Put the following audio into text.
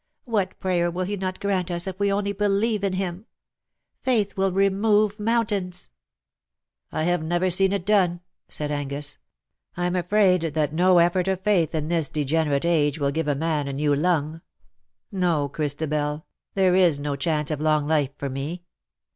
What prayer "will He not grant ns if we only believe in Him ? Faith will remove mount ains.^^ " I have never seen it done," said Angus. " Vm afraid that no effort of faith in this degenerate age will give a man a new lung. No^ Christabel^ there is no chance of long life for me.